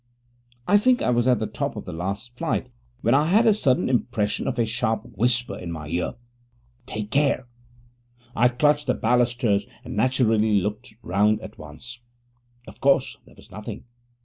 I think I was at the top of the last flight when I had a sudden impression of a sharp whisper in my ear 'Take care.' I clutched the balusters and naturally looked round at once. Of course, there was nothing.